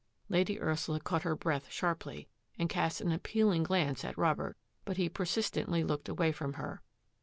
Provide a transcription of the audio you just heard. Lady Ursula caught her breath sharply and cast an appealing glance at Robert, but he persist ently looked away from her.